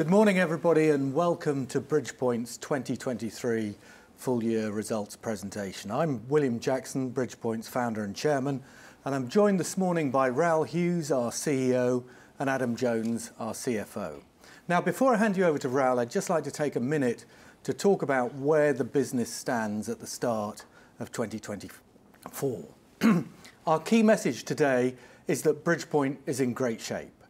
Good morning, everybody, and welcome to Bridgepoint's 2023 full year results presentation. I'm William Jackson, Bridgepoint's founder and chairman, and I'm joined this morning by Raoul Hughes, our CEO, and Adam Jones, our CFO. Now, before I hand you over to Raoul, I'd just like to take a minute to talk about where the business stands at the start of 2024. Our key message today is that Bridgepoint is in great shape.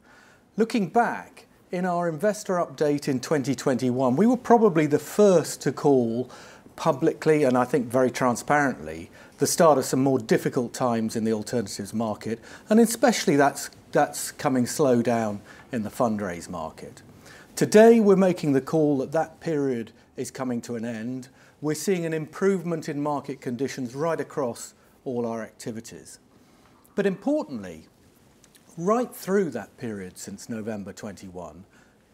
Looking back, in our investor update in 2021, we were probably the first to call publicly, and I think very transparently, the start of some more difficult times in the alternatives market, and especially that's, that's coming slow down in the fundraise market. Today, we're making the call that that period is coming to an end. We're seeing an improvement in market conditions right across all our activities. But importantly, right through that period since November 2021,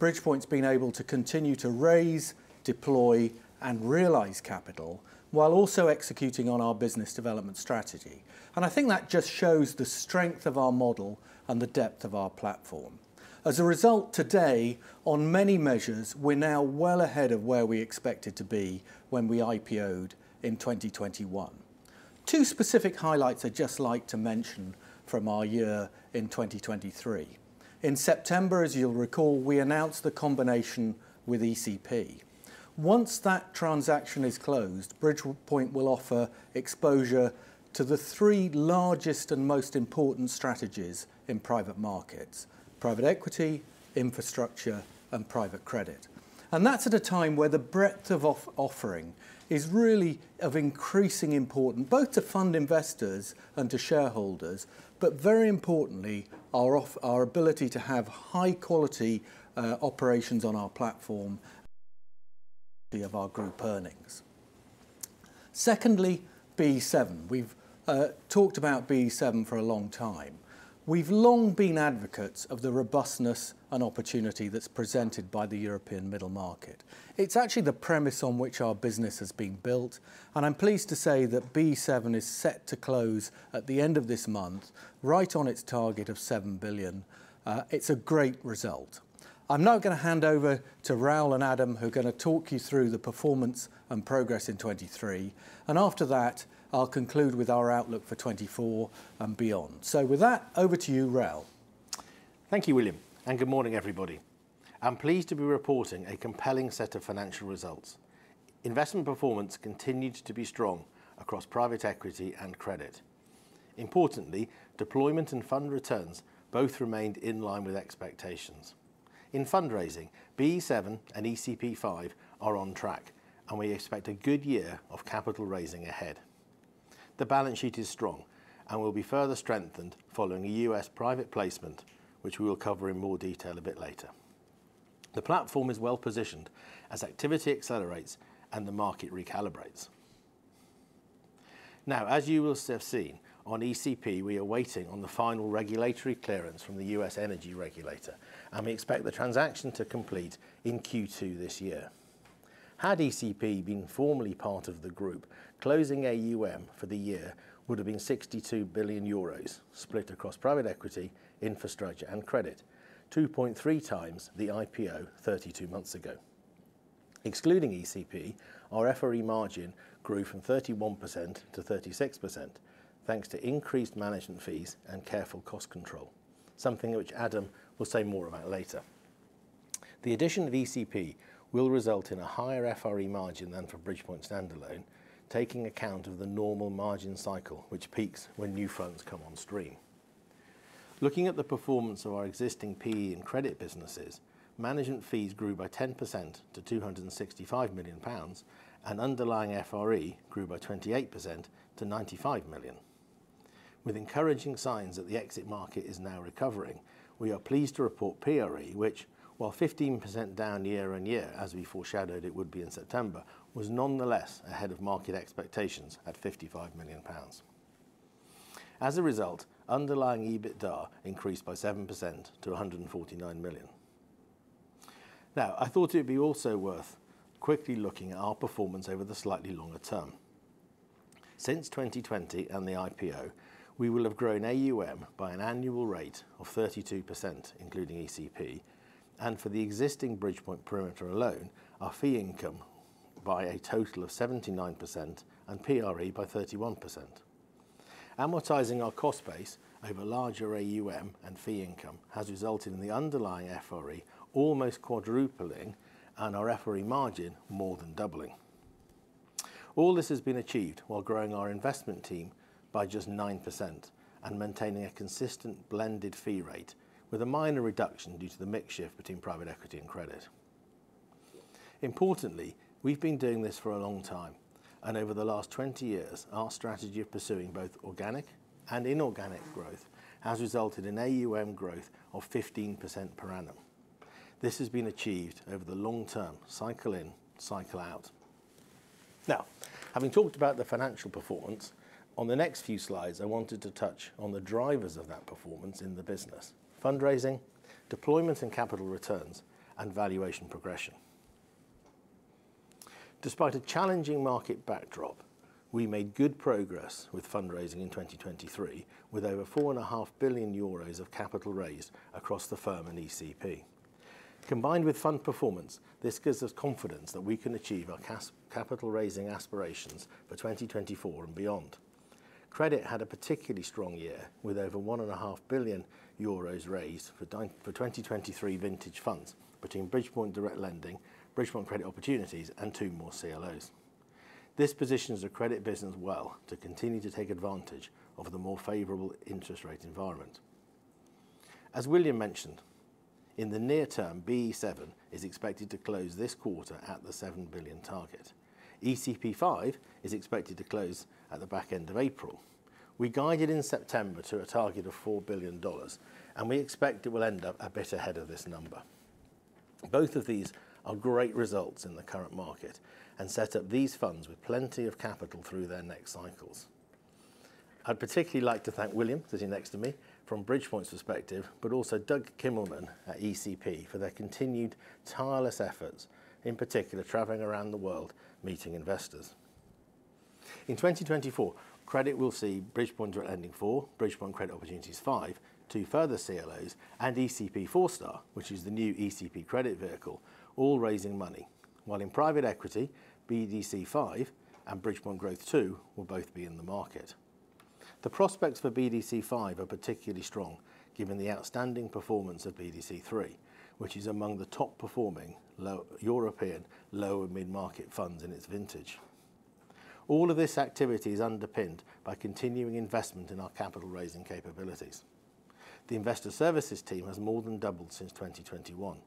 Bridgepoint's been able to continue to raise, deploy, and realize capital, while also executing on our business development strategy. And I think that just shows the strength of our model and the depth of our platform. As a result, today, on many measures, we're now well ahead of where we expected to be when we IPO'd in 2021. Two specific highlights I'd just like to mention from our year in 2023. In September, as you'll recall, we announced the combination with ECP. Once that transaction is closed, Bridgepoint will offer exposure to the three largest and most important strategies in private markets: private equity, infrastructure, and private credit. And that's at a time where the breadth of off- offering is really of increasing importance, both to fund investors and to shareholders, but very importantly, our off, our ability to have high quality, operations on our platform of our group earnings. Secondly, BE VII. We've talked about BE VII for a long time. We've long been advocates of the robustness and opportunity that's presented by the European middle market. It's actually the premise on which our business has been built, and I'm pleased to say that BE VII is set to close at the end of this month, right on its target of 7 billion. It's a great result. I'm now gonna hand over to Raoul and Adam, who are gonna talk you through the performance and progress in 2023, and after that, I'll conclude with our outlook for 2024 and beyond. So with that, over to you, Raoul. Thank you, William, and good morning, everybody. I'm pleased to be reporting a compelling set of financial results. Investment performance continued to be strong across private equity and credit. Importantly, deployment and fund returns both remained in line with expectations. In fundraising, BE VII and ECP V are on track, and we expect a good year of capital raising ahead. The balance sheet is strong and will be further strengthened following a U.S. private placement, which we will cover in more detail a bit later. The platform is well positioned as activity accelerates and the market recalibrates. Now, as you will have seen, on ECP, we are waiting on the final regulatory clearance from the U.S. Energy Regulator, and we expect the transaction to complete in Q2 this year. Had ECP been formally part of the group, closing AUM for the year would have been 62 billion euros, split across private equity, infrastructure, and credit, 2.3x the IPO 32 months ago. Excluding ECP, our FRE margin grew from 31% to 36%, thanks to increased management fees and careful cost control, something which Adam will say more about later. The addition of ECP will result in a higher FRE margin than for Bridgepoint standalone, taking account of the normal margin cycle, which peaks when new funds come on stream. Looking at the performance of our existing PE and credit businesses, management fees grew by 10% to 265 million pounds, and underlying FRE grew by 28% to 95 million. With encouraging signs that the exit market is now recovering, we are pleased to report PRE, which, while 15% down year-on-year, as we foreshadowed it would be in September, was nonetheless ahead of market expectations at 55 million pounds. As a result, underlying EBITDA increased by 7% to 149 million. Now, I thought it would be also worth quickly looking at our performance over the slightly longer term. Since 2020 and the IPO, we will have grown AUM by an annual rate of 32%, including ECP, and for the existing Bridgepoint perimeter alone, our fee income by a total of 79% and PRE by 31%. Amortizing our cost base over larger AUM and fee income has resulted in the underlying FRE almost quadrupling and our FRE margin more than doubling. All this has been achieved while growing our investment team by just 9% and maintaining a consistent blended fee rate with a minor reduction due to the mix shift between private equity and credit. Importantly, we've been doing this for a long time, and over the last 20 years, our strategy of pursuing both organic and inorganic growth has resulted in AUM growth of 15% per annum. This has been achieved over the long term, cycle in, cycle out. Now, having talked about the financial performance, on the next few slides, I wanted to touch on the drivers of that performance in the business: fundraising, deployment and capital returns, and valuation progression. Despite a challenging market backdrop, we made good progress with fundraising in 2023, with over 4.5 billion euros of capital raised across the firm and ECP. Combined with fund performance, this gives us confidence that we can achieve our capital raising aspirations for 2024 and beyond. Credit had a particularly strong year, with over 1.5 billion euros raised for 2023 vintage funds, between Bridgepoint Direct Lending, Bridgepoint Credit Opportunities, and two more CLOs. This positions the credit business well to continue to take advantage of the more favorable interest rate environment. As William mentioned, in the near term, BE VII is expected to close this quarter at the 7 billion target. ECP V is expected to close at the back end of April. We guided in September to a target of $4 billion, and we expect it will end up a bit ahead of this number. Both of these are great results in the current market and set up these funds with plenty of capital through their next cycles. I'd particularly like to thank William, sitting next to me, from Bridgepoint's perspective, but also Doug Kimmelman at ECP, for their continued tireless efforts, in particular, traveling around the world, meeting investors. In 2024, credit will see Bridgepoint Direct Lending IV, Bridgepoint Credit Opportunities V, two further CLOs, and ECP ForeStar, which is the new ECP credit vehicle, all raising money. While in private equity, BDC V and Bridgepoint Growth II will both be in the market. The prospects for BDC V are particularly strong, given the outstanding performance of BDC III, which is among the top performing European low- and mid-market funds in its vintage. All of this activity is underpinned by continuing investment in our capital raising capabilities. The investor services team has more than doubled since 2021.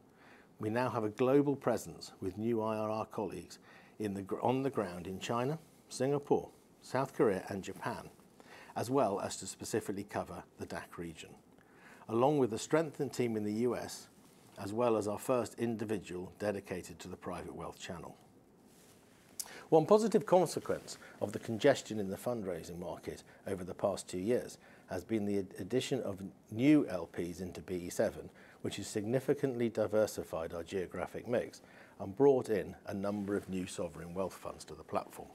We now have a global presence with new IR colleagues on the ground in China, Singapore, South Korea, and Japan, as well as to specifically cover the DACH region. Along with the strengthened team in the U.S., as well as our first individual dedicated to the private wealth channel. One positive consequence of the congestion in the fundraising market over the past two years, has been the addition of new LPs into BE VII, which has significantly diversified our geographic mix and brought in a number of new sovereign wealth funds to the platform.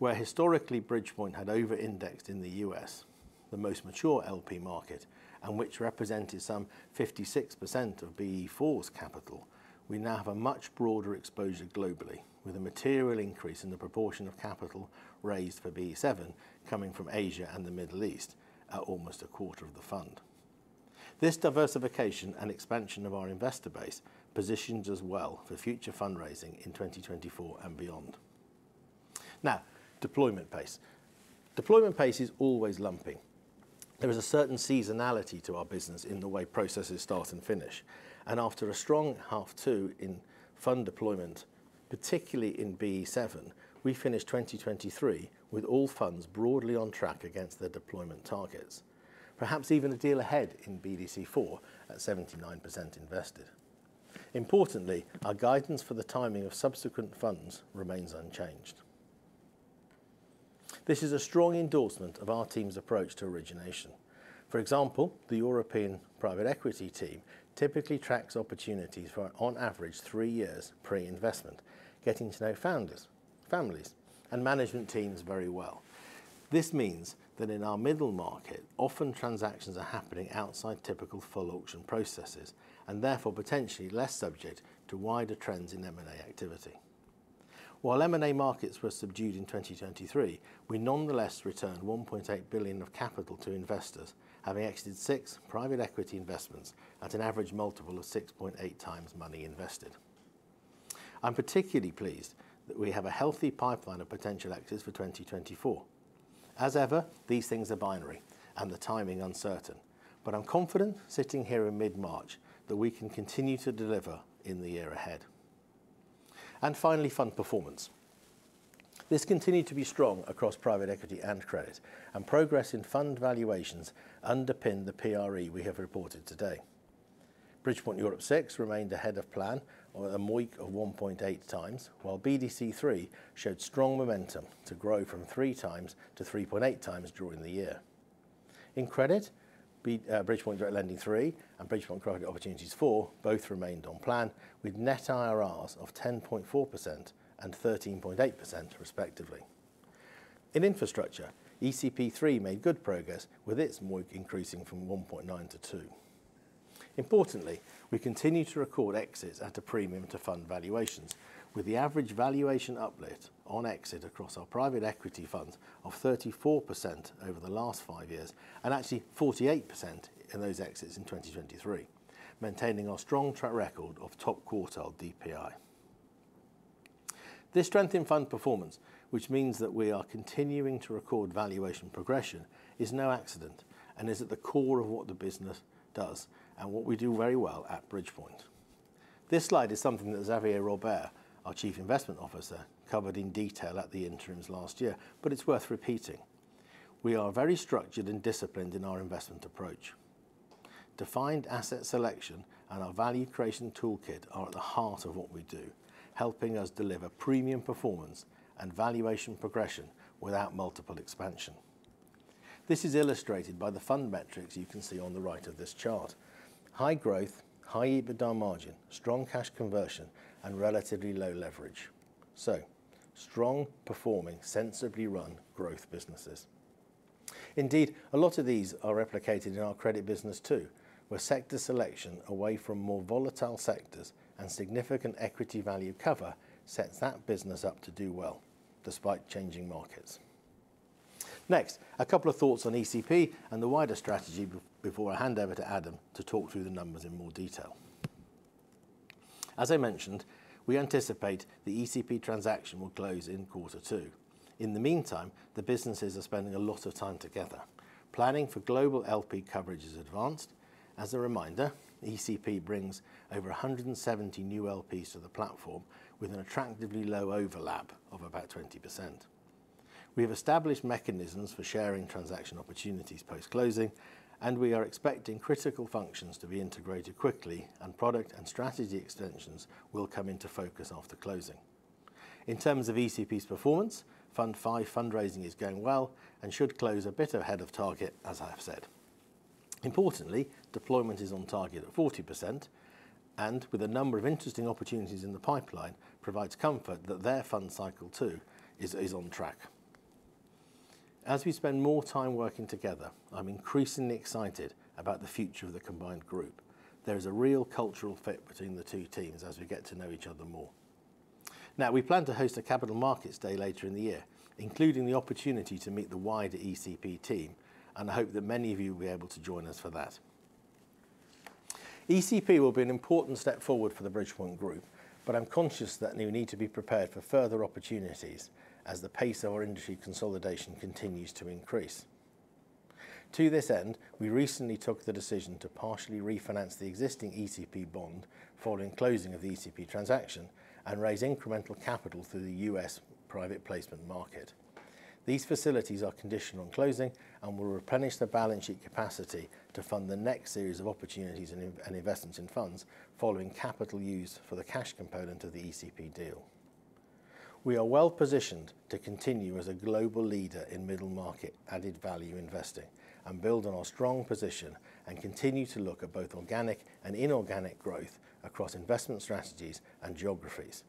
Where historically, Bridgepoint had over-indexed in the U.S., the most mature LP market, and which represented some 56% of BE IV's capital, we now have a much broader exposure globally, with a material increase in the proportion of capital raised for BE VII coming from Asia and the Middle East, at almost a quarter of the fund. This diversification and expansion of our investor base positions us well for future fundraising in 2024 and beyond. Now, deployment pace. Deployment pace is always lumpy. There is a certain seasonality to our business in the way processes start and finish, and after a strong H2 in fund deployment, particularly in BE VII, we finished 2023 with all funds broadly on track against their deployment targets. Perhaps even a deal ahead in BDC IV, at 79% invested. Importantly, our guidance for the timing of subsequent funds remains unchanged. This is a strong endorsement of our team's approach to origination. For example, the European private equity team typically tracks opportunities for, on average, three years pre-investment, getting to know founders, families, and management teams very well. This means that in our middle market, often transactions are happening outside typical full auction processes, and therefore potentially less subject to wider trends in M&A activity. While M&A markets were subdued in 2023, we nonetheless returned 1.8 billion of capital to investors, having exited six private equity investments at an average multiple of 6.8x money invested. I'm particularly pleased that we have a healthy pipeline of potential exits for 2024. As ever, these things are binary and the timing uncertain, but I'm confident, sitting here in mid-March, that we can continue to deliver in the year ahead. And finally, fund performance. This continued to be strong across private equity and credit, and progress in fund valuations underpinned the PRE we have reported today. Bridgepoint Europe VI remained ahead of plan with a MOIC of 1.8x, while BDC III showed strong momentum to grow from 3x to 3.8x during the year. In credit, Bridgepoint Direct Lending III and Bridgepoint Credit Opportunities IV both remained on plan, with net IRRs of 10.4% and 13.8% respectively. In infrastructure, ECP III made good progress with its MOIC increasing from 1.9x to 2x. Importantly, we continue to record exits at a premium to fund valuations, with the average valuation uplift on exit across our private equity funds of 34% over the last five years, and actually 48% in those exits in 2023, maintaining our strong track record of top quartile DPI. This strength in fund performance, which means that we are continuing to record valuation progression, is no accident, and is at the core of what the business does and what we do very well at Bridgepoint. This slide is something that Xavier Robert, our Chief Investment Officer, covered in detail at the interims last year, but it's worth repeating. We are very structured and disciplined in our investment approach. Defined asset selection and our value creation toolkit are at the heart of what we do, helping us deliver premium performance and valuation progression without multiple expansion. This is illustrated by the fund metrics you can see on the right of this chart. High growth, high EBITDA margin, strong cash conversion, and relatively low leverage. So, strong performing, sensibly run growth businesses. Indeed, a lot of these are replicated in our credit business, too, where sector selection away from more volatile sectors and significant equity value cover sets that business up to do well despite changing markets. Next, a couple of thoughts on ECP and the wider strategy before I hand over to Adam to talk through the numbers in more detail. As I mentioned, we anticipate the ECP transaction will close in quarter two. In the meantime, the businesses are spending a lot of time together. Planning for global LP coverage is advanced. As a reminder, ECP brings over 170 new LPs to the platform, with an attractively low overlap of about 20%. We have established mechanisms for sharing transaction opportunities post-closing, and we are expecting critical functions to be integrated quickly, and product and strategy extensions will come into focus after closing. In terms of ECP's performance, Fund V fundraising is going well and should close a bit ahead of target, as I have said. Importantly, deployment is on target at 40%, and with a number of interesting opportunities in the pipeline, provides comfort that their fund cycle, too, is on track. As we spend more time working together, I'm increasingly excited about the future of the combined group. There is a real cultural fit between the two teams as we get to know each other more. Now, we plan to host a Capital Markets Day later in the year, including the opportunity to meet the wider ECP team, and I hope that many of you will be able to join us for that. ECP will be an important step forward for the Bridgepoint Group, but I'm conscious that we need to be prepared for further opportunities as the pace of our industry consolidation continues to increase. To this end, we recently took the decision to partially refinance the existing ECP bond following closing of the ECP transaction and raise incremental capital through the U.S. private placement market. These facilities are conditional on closing and will replenish the balance sheet capacity to fund the next series of opportunities and investments in funds following capital use for the cash component of the ECP deal. We are well positioned to continue as a global leader in middle market added value investing and build on our strong position and continue to look at both organic and inorganic growth across investment strategies and geographies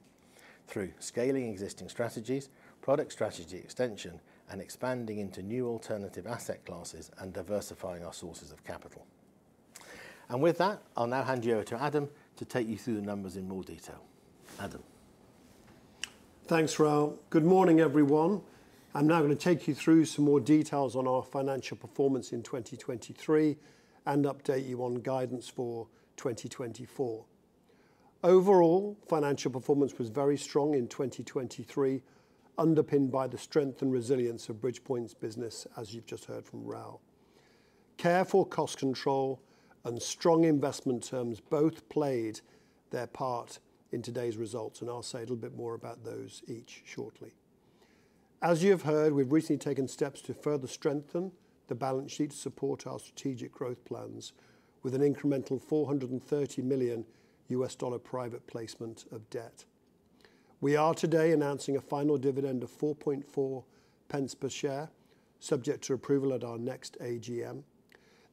through scaling existing strategies, product strategy extension, and expanding into new alternative asset classes and diversifying our sources of capital. With that, I'll now hand you over to Adam to take you through the numbers in more detail. Adam? Thanks, Raoul. Good morning, everyone. I'm now going to take you through some more details on our financial performance in 2023 and update you on guidance for 2024. Overall, financial performance was very strong in 2023, underpinned by the strength and resilience of Bridgepoint's business, as you've just heard from Raoul. Careful cost control and strong investment terms both played their part in today's results, and I'll say a little bit more about those each shortly. As you have heard, we've recently taken steps to further strengthen the balance sheet to support our strategic growth plans with an incremental $430 million private placement of debt. We are today announcing a final dividend of 0.044 per share, subject to approval at our next AGM.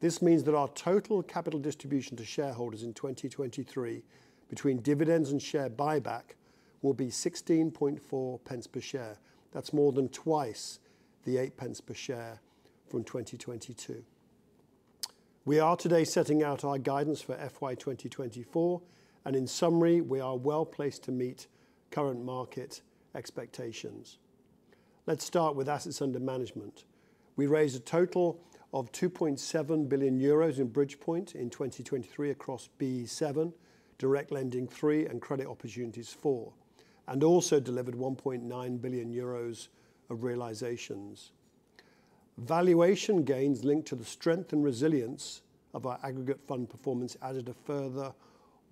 This means that our total capital distribution to shareholders in 2023, between dividends and share buyback, will be 0.164 per share. That's more than twice the 0.08 per share from 2022. We are today setting out our guidance for FY 2024, and in summary, we are well placed to meet current market expectations. Let's start with assets under management. We raised a total of 2.7 billion euros in Bridgepoint in 2023 across BE VII, Direct Lending III, and Credit Opportunities IV, and also delivered 1.9 billion euros of realizations. Valuation gains linked to the strength and resilience of our aggregate fund performance added a further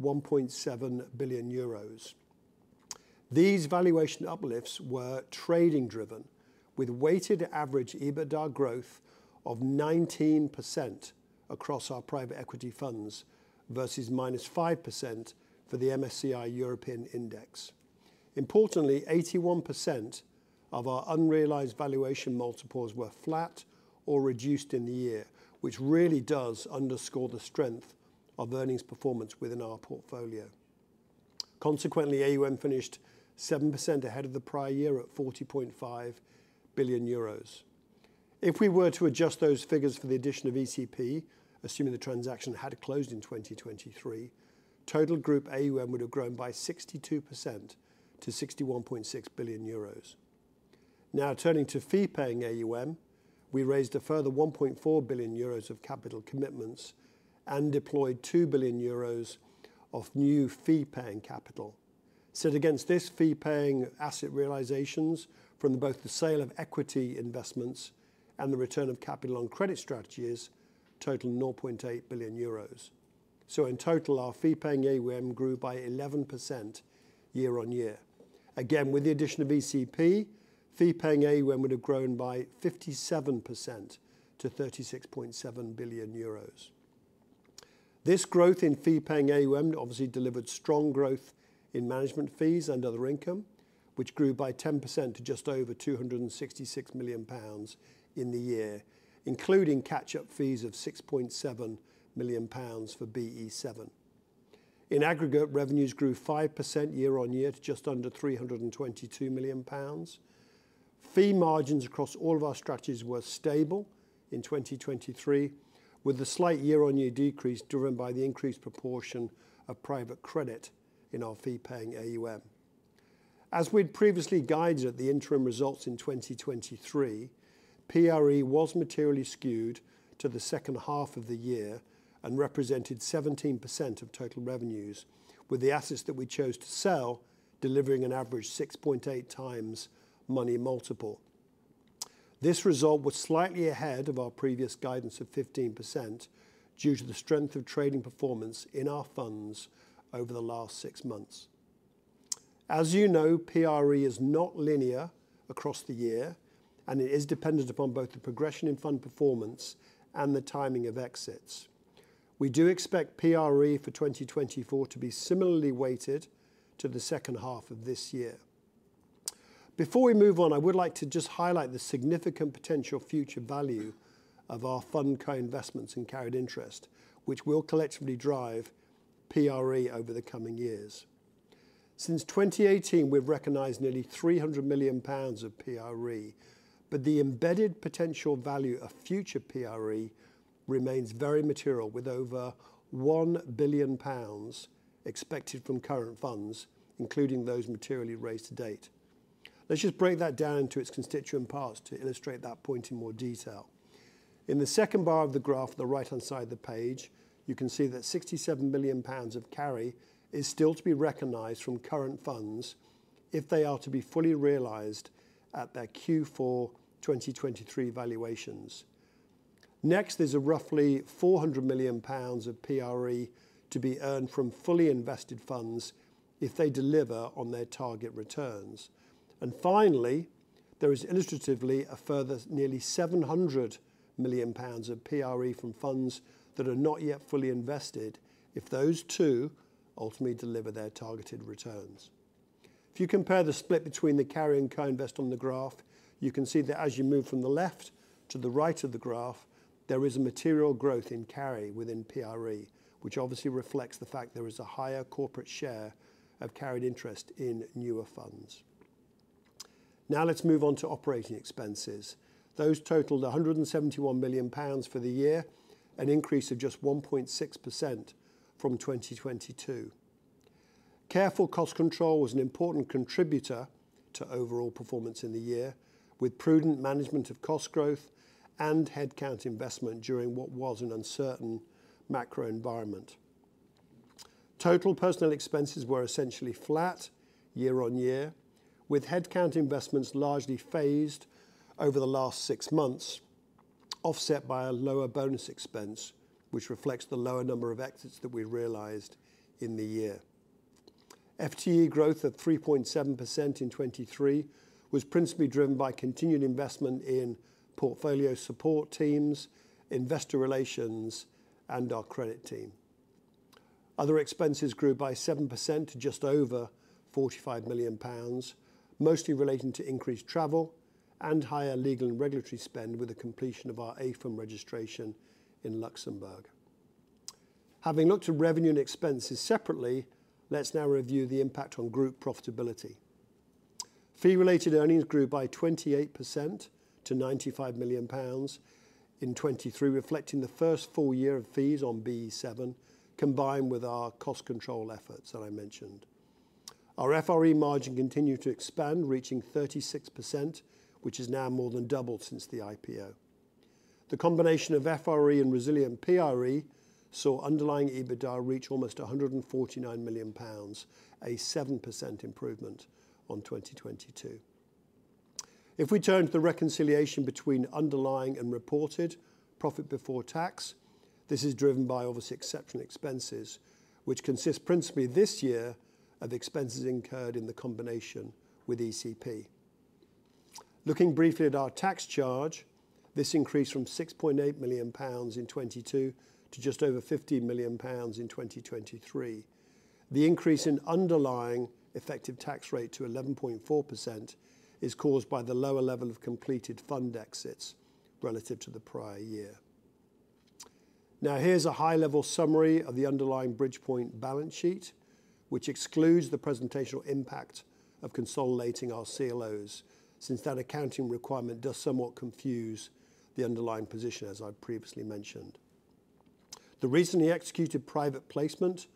1.7 billion euros. These valuation uplifts were trading driven, with weighted average EBITDA growth of 19% across our private equity funds, versus -5% for the MSCI European Index. Importantly, 81% of our unrealized valuation multiples were flat or reduced in the year, which really does underscore the strength of earnings performance within our portfolio. Consequently, AUM finished 7% ahead of the prior year at 40.5 billion euros. If we were to adjust those figures for the addition of ECP, assuming the transaction had closed in 2023, total group AUM would have grown by 62% to 61.6 billion euros. Now, turning to fee-paying AUM, we raised a further 1.4 billion euros of capital commitments and deployed 2 billion euros of new fee-paying capital. Set against this, fee-paying asset realizations from both the sale of equity investments and the return of capital on credit strategies total 0.8 billion euros. So in total, our fee-paying AUM grew by 11% year-over-year. Again, with the addition of ECP, fee-paying AUM would have grown by 57% to 36.7 billion euros. This growth in fee-paying AUM obviously delivered strong growth in management fees and other income, which grew by 10% to just over 266 million pounds in the year, including catch-up fees of 6.7 million pounds for BE VII. In aggregate, revenues grew 5% year-on-year to just under 322 million pounds. Fee margins across all of our strategies were stable in 2023, with a slight year-on-year decrease driven by the increased proportion of private credit in our fee-paying AUM. As we'd previously guided at the interim results in 2023, PRE was materially skewed to the second half of the year and represented 17% of total revenues, with the assets that we chose to sell delivering an average 6.8x money multiple. This result was slightly ahead of our previous guidance of 15% due to the strength of trading performance in our funds over the last six months. As you know, PRE is not linear across the year, and it is dependent upon both the progression in fund performance and the timing of exits. We do expect PRE for 2024 to be similarly weighted to the second half of this year. Before we move on, I would like to just highlight the significant potential future value of our fund co-investments in carried interest, which will collectively drive PRE over the coming years. Since 2018, we've recognized nearly 300 million pounds of PRE, but the embedded potential value of future PRE remains very material, with over 1 billion pounds expected from current funds, including those materially raised to date. Let's just break that down into its constituent parts to illustrate that point in more detail. In the second bar of the graph, the right-hand side of the page, you can see that 67 billion pounds of carry is still to be recognized from current funds if they are to be fully realized at their Q4 2023 valuations. Next, there's a roughly 400 million pounds of PRE to be earned from fully invested funds if they deliver on their target returns. And finally, there is illustratively a further nearly 700 million pounds of PRE from funds that are not yet fully invested, if those two ultimately deliver their targeted returns. If you compare the split between the carry and co-invest on the graph, you can see that as you move from the left to the right of the graph, there is a material growth in carry within PRE, which obviously reflects the fact there is a higher corporate share of carried interest in newer funds. Now, let's move on to operating expenses. Those totaled 171 million pounds for the year, an increase of just 1.6% from 2022. Careful cost control was an important contributor to overall performance in the year, with prudent management of cost growth and headcount investment during what was an uncertain macro environment. Total personnel expenses were essentially flat year-on-year, with headcount investments largely phased over the last six months, offset by a lower bonus expense, which reflects the lower number of exits that we realized in the year. FTE growth at 3.7% in 2023 was principally driven by continued investment in portfolio support teams, investor relations, and our credit team. Other expenses grew by 7% to just over 45 million pounds, mostly relating to increased travel and higher legal and regulatory spend, with the completion of our AIFM registration in Luxembourg. Having looked at revenue and expenses separately, let's now review the impact on group profitability. Fee-related earnings grew by 28% to 95 million pounds in 2023, reflecting the first full year of fees on BE VII, combined with our cost control efforts that I mentioned. Our FRE margin continued to expand, reaching 36%, which is now more than double since the IPO. The combination of FRE and resilient PRE saw underlying EBITDA reach almost 149 million pounds, a 7% improvement on 2022. If we turn to the reconciliation between underlying and reported profit before tax, this is driven by obviously exceptional expenses, which consist principally this year of expenses incurred in the combination with ECP. Looking briefly at our tax charge, this increased from 6.8 million pounds in 2022 to just over 50 million pounds in 2023. The increase in underlying effective tax rate to 11.4% is caused by the lower level of completed fund exits relative to the prior year. Now, here's a high-level summary of the underlying Bridgepoint balance sheet, which excludes the presentational impact of consolidating our CLOs, since that accounting requirement does somewhat confuse the underlying position, as I previously mentioned. The recently executed private placement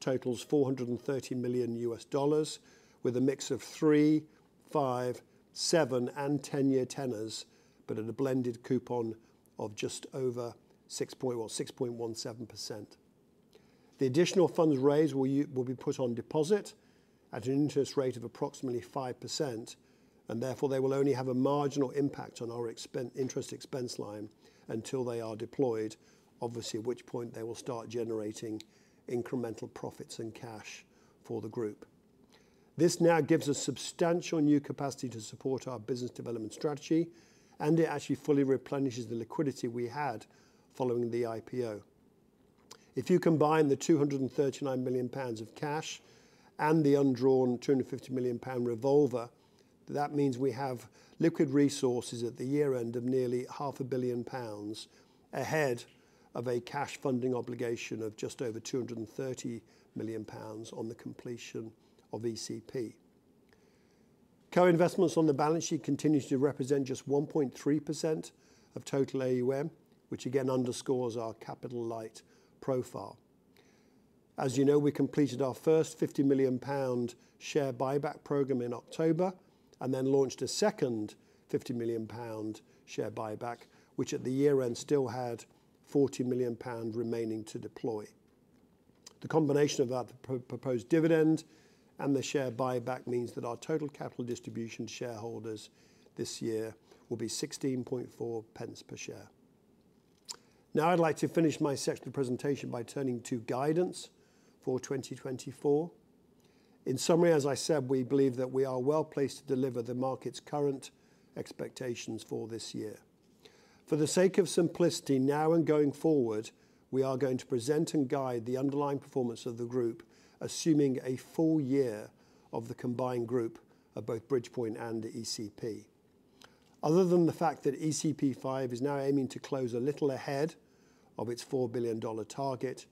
totals $430 million, with a mix of three-, five-, seven- and 10-year tenors, but at a blended coupon of just over 6.17%. The additional funds raised will be put on deposit at an interest rate of approximately 5%, and therefore they will only have a marginal impact on our expense, interest expense line until they are deployed, obviously, at which point they will start generating incremental profits and cash for the group. This now gives us substantial new capacity to support our business development strategy, and it actually fully replenishes the liquidity we had following the IPO. If you combine the 239 million pounds of cash and the undrawn 250 million pound revolver, that means we have liquid resources at the year-end of nearly 500 million pounds, ahead of a cash funding obligation of just over 230 million pounds on the completion of ECP. Co-investments on the balance sheet continues to represent just 1.3% of total AUM, which again underscores our capital light profile. As you know, we completed our first 50 million pound share buyback program in October, and then launched a second 50 million pound share buyback, which at the year-end still had 40 million pound remaining to deploy. The combination of that proposed dividend and the share buyback means that our total capital distribution shareholders this year will be 0.164 per share. Now I'd like to finish my section of the presentation by turning to guidance for 2024. In summary, as I said, we believe that we are well-placed to deliver the market's current expectations for this year. For the sake of simplicity, now and going forward, we are going to present and guide the underlying performance of the group, assuming a full year of the combined group of both Bridgepoint and ECP. Other than the fact that ECP V is now aiming to close a little ahead of its $4 billion target,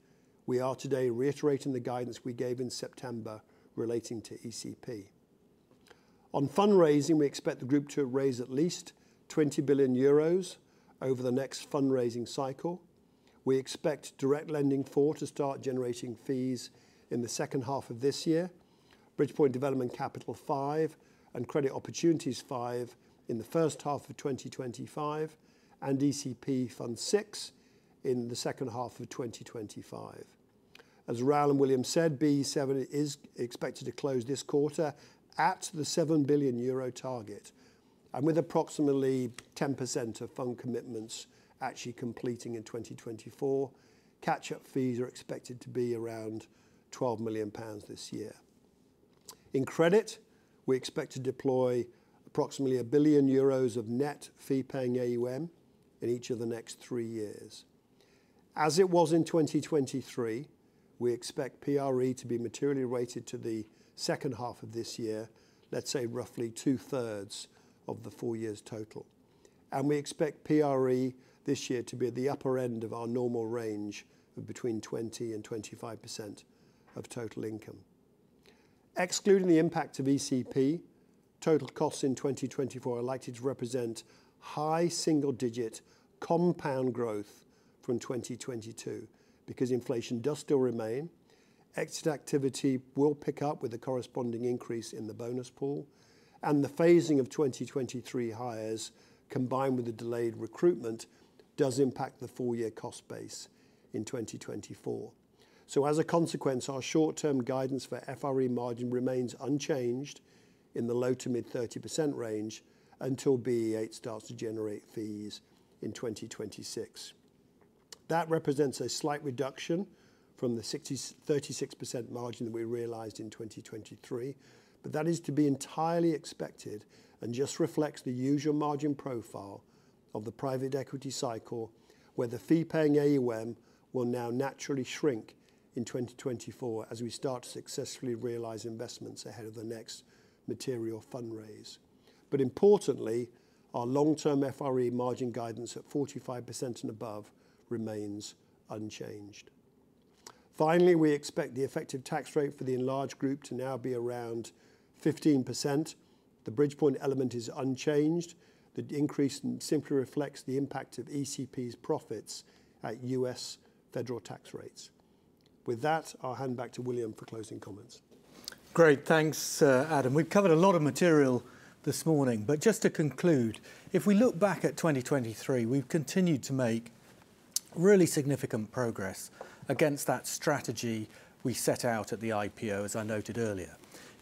we are today reiterating the guidance we gave in September relating to ECP. On fundraising, we expect the group to raise at least 20 billion euros over the next fundraising cycle. We expect Direct Lending IV to start generating fees in the second half of this year. Bridgepoint Development Capital V and Credit Opportunities V in the first half of 2025, and ECP Fund VI in the second half of 2025. As Raoul and William said, BE VII is expected to close this quarter at the 7 billion euro target, and with approximately 10% of fund commitments actually completing in 2024, catch-up fees are expected to be around 12 million pounds this year. In credit, we expect to deploy approximately 1 billion euros of net fee-paying AUM in each of the next three years. As it was in 2023, we expect PRE to be materially weighted to the second half of this year, let's say roughly 2/3 of the four years total. We expect PRE this year to be at the upper end of our normal range of between 20% and 25% of total income. Excluding the impact of ECP, total costs in 2024 are likely to represent high single-digit compound growth from 2022, because inflation does still remain. Exit activity will pick up with a corresponding increase in the bonus pool, and the phasing of 2023 hires, combined with the delayed recruitment, does impact the full year cost base in 2024. As a consequence, our short-term guidance for FRE margin remains unchanged in the low- to mid-30% range until BE VIII starts to generate fees in 2026. That represents a slight reduction from the 36% margin that we realized in 2023, but that is to be entirely expected and just reflects the usual margin profile of the private equity cycle, where the fee-paying AUM will now naturally shrink in 2024 as we start to successfully realize investments ahead of the next material fundraise. But importantly, our long-term FRE margin guidance at 45% and above remains unchanged. Finally, we expect the effective tax rate for the enlarged group to now be around 15%. The Bridgepoint element is unchanged. The increase simply reflects the impact of ECP's profits at U.S. federal tax rates. With that, I'll hand back to William for closing comments. Great. Thanks, Adam. We've covered a lot of material this morning, but just to conclude, if we look back at 2023, we've continued to make really significant progress against that strategy we set out at the IPO, as I noted earlier.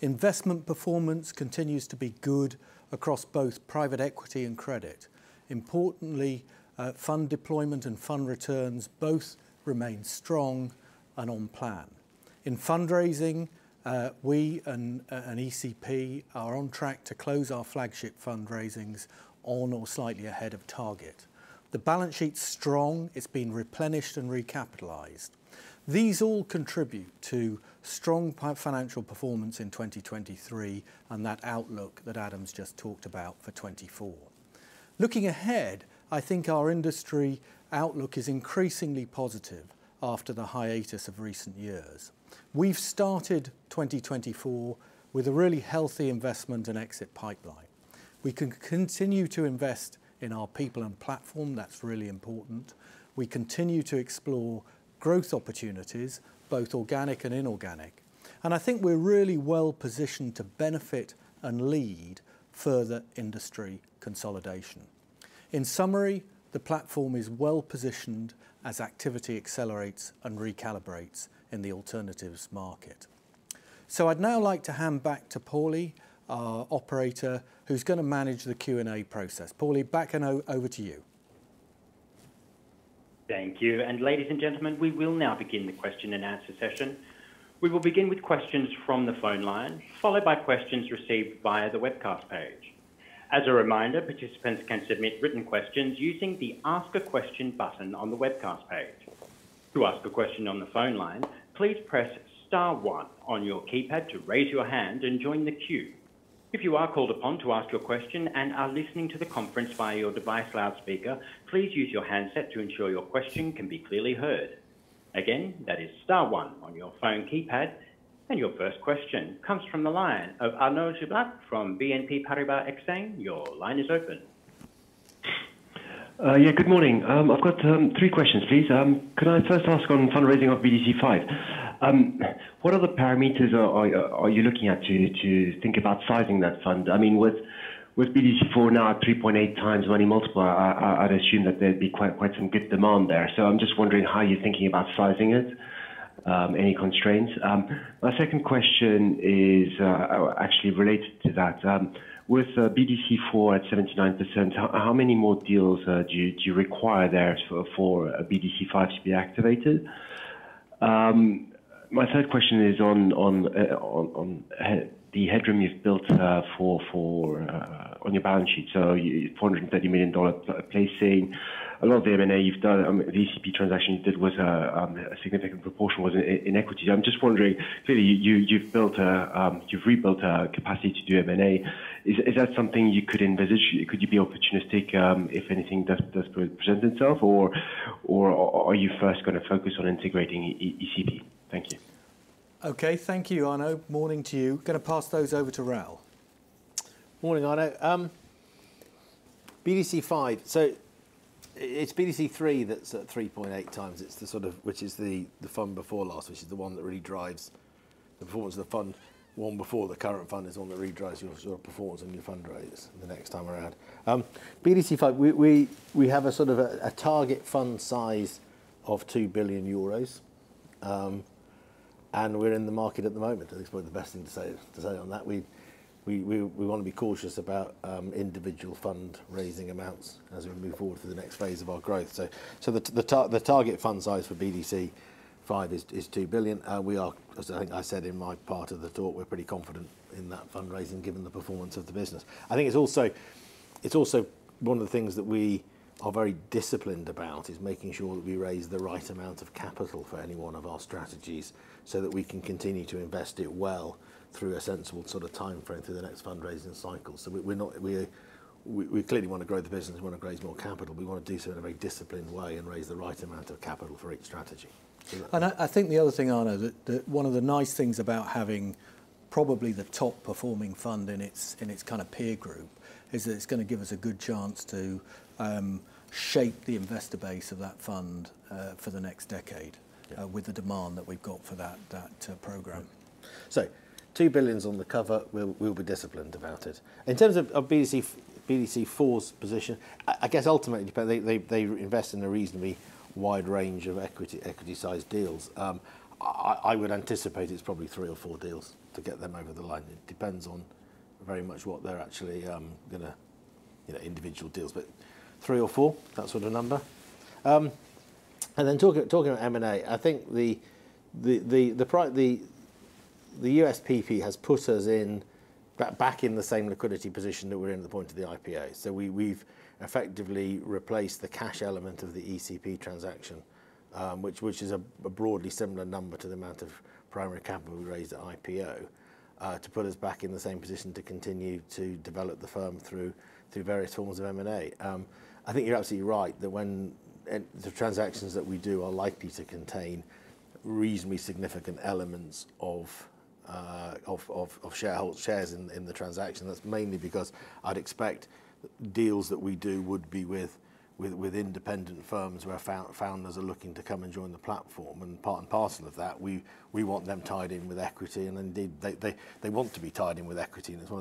Investment performance continues to be good across both private equity and credit. Importantly, fund deployment and fund returns both remain strong and on plan. In fundraising, we and, and ECP are on track to close our flagship fundraisings on or slightly ahead of target. The balance sheet's strong. It's been replenished and recapitalized. These all contribute to strong financial performance in 2023 and that outlook that Adam's just talked about for 2024. Looking ahead, I think our industry outlook is increasingly positive after the hiatus of recent years. We've started 2024 with a really healthy investment and exit pipeline. We can continue to invest in our people and platform. That's really important. We continue to explore growth opportunities, both organic and inorganic. And I think we're really well positioned to benefit and lead further industry consolidation. In summary, the platform is well positioned as activity accelerates and recalibrates in the alternatives market. So I'd now like to hand back to Paulie, our operator, who's going to manage the Q&A process. Paulie, back over to you. .Thank you. And ladies and gentlemen, we will now begin the question and answer session. We will begin with questions from the phone line, followed by questions received via the webcast page. As a reminder, participants can submit written questions using the Ask a Question button on the webcast page. To ask a question on the phone line, please press star one on your keypad to raise your hand and join the queue. If you are called upon to ask your question and are listening to the conference via your device loudspeaker, please use your handset to ensure your question can be clearly heard. Again, that is star one on your phone keypad. And your first question comes from the line of Arnaud Giblat from BNP Paribas Exane. Your line is open. Yeah, good morning. I've got three questions, please. Could I first ask on fundraising of BDC V? What other parameters are you looking at to think about sizing that fund? I mean, with BDC IV now at 3.8x money multiple, I'd assume that there'd be quite some good demand there. So I'm just wondering how you're thinking about sizing it, any constraints? My second question is actually related to that. With BDC IV at 79%, how many more deals do you require there for a BDC V to be activated? My third question is on the headroom you've built on your balance sheet, so $430 million dollar placing. A lot of the M&A you've done, the ECP transaction you did was, a significant proportion was in equity. I'm just wondering, clearly, you, you've built a, you've rebuilt a capacity to do M&A. Is, is that something you could envision? Could you be opportunistic, if anything does, does pre-present itself, or, or are you first gonna focus on integrating ECP? Thank you. Okay. Thank you, Arnaud. Morning to you. Gonna pass those over to Raoul. Morning, Arnaud. BDC V. So it's BDC III that's at 3.8x. It's the sort of... Which is the fund before last, which is the one that really drives the performance of the fund. One before the current fund is the one that really drives your sort of performance and your fundraise the next time around. BDC V, we have a target fund size of 2 billion euros, and we're in the market at the moment. I think the best thing to say on that, we wanna be cautious about individual fund-raising amounts as we move forward to the next phase of our growth. So the target fund size for BDC V is 2 billion. We are, as I think I said in my part of the talk, we're pretty confident in that fundraising, given the performance of the business. I think it's also one of the things that we are very disciplined about, is making sure that we raise the right amount of capital for any one of our strategies, so that we can continue to invest it well through a sensible sort of timeframe through the next fundraising cycle. So we're not. We clearly wanna grow the business, we wanna raise more capital. We wanna do so in a very disciplined way and raise the right amount of capital for each strategy. I think the other thing, Arnaud, that one of the nice things about having probably the top-performing fund in its kind of peer group, is that it's gonna give us a good chance to shape the investor base of that fund for the next decade- Yeah.... with the demand that we've got for that program. So 2 billion is on the cover. We'll be disciplined about it. In terms of BDC IV's position, I guess ultimately, they invest in a reasonably wide range of equity-sized deals. I would anticipate it's probably three or four deals to get them over the line. It depends on very much what they're actually gonna, you know, individual deals, but three or four, that sort of number. And then talking about M&A, I think the USPP has put us back in the same liquidity position that we're in at the point of the IPO. So we've effectively replaced the cash element of the ECP transaction, which is a broadly similar number to the amount of primary capital we raised at IPO, to put us back in the same position to continue to develop the firm through various forms of M&A. I think you're absolutely right, and the transactions that we do are likely to contain reasonably significant elements of shares in the transaction. That's mainly because I'd expect deals that we do would be with independent firms, where founders are looking to come and join the platform. And part and parcel of that, we want them tied in with equity, and indeed, they want to be tied in with equity, and it's one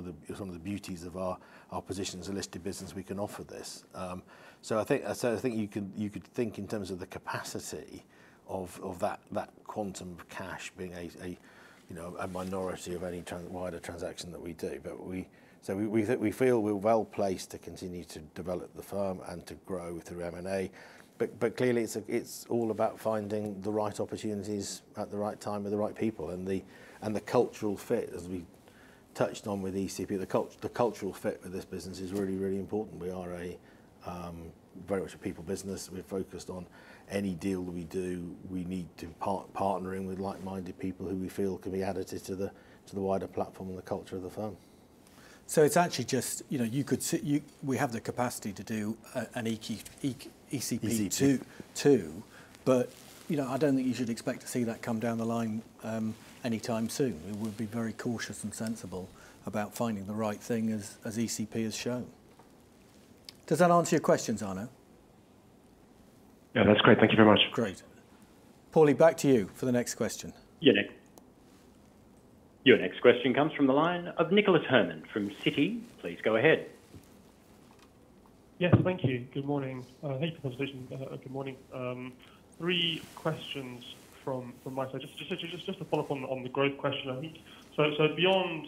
of the beauties of our position as a listed business; we can offer this. So I think you could think in terms of the capacity of that quantum of cash being, you know, a minority of any wider transaction that we do. So we feel we're well placed to continue to develop the firm and to grow through M&A. But clearly, it's all about finding the right opportunities at the right time with the right people. The cultural fit, as we touched on with ECP, the cultural fit with this business is really, really important. We are a very much a people business. We're focused on any deal that we do, we need to partnering with like-minded people who we feel can be additive to the wider platform and the culture of the firm. So it's actually just, you know, we have the capacity to do an ECP- ECP.... II, too. But, you know, I don't think you should expect to see that come down the line anytime soon. We would be very cautious and sensible about finding the right thing as ECP has shown. Does that answer your questions, Arnaud? Yeah, that's great. Thank you very much. Great. Paulie, back to you for the next question. Yeah, next. Your next question comes from the line of Nicholas Herman from Citi. Please go ahead. Yes, thank you. Good morning. Thank you for the presentation. Good morning, three questions from my side. Just to follow up on the growth question. I think, so beyond